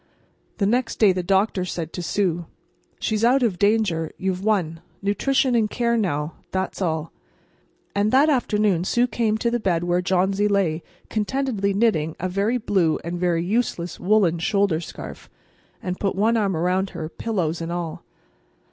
The next day the doctor said to Sue: "She's out of danger. You've won. Nutrition and care now—that's all." And that afternoon Sue came to the bed where Johnsy lay, contentedly knitting a very blue and very useless woolen shoulder scarf, and put one arm around her, pillows and all.